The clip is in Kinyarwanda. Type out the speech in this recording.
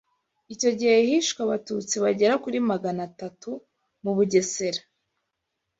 icyo gihe hishwe Abatutsi bagera kuri maganatatu mu Bugesera